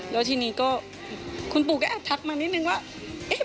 แล้วทีนี้ก็คุณปู่ก็แอบทักมานิดนึงว่า